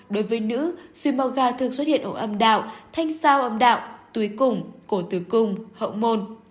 đối với nữ suối màu gà thường xuất hiện ở âm đạo thanh sao âm đạo túi cùng cổ tử cung hậu môn